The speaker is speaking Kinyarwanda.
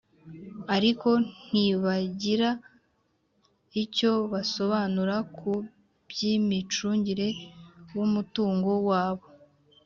ariko ntibagira icyo basobanura ku by’imicungire w’umutungo wabo ;